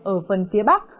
ở phần phía bắc